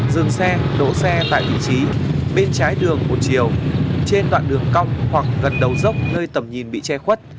dừng xe đỗ xe tại vị trí bên trái đường một chiều trên đoạn đường cong hoặc gần đầu dốc nơi tầm nhìn bị che khuất